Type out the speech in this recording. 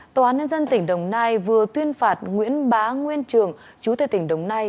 tòa án nhân dân tỉnh đồng nai vừa tuyên phạt nguyễn bá nguyên trường chú tây tỉnh đồng nai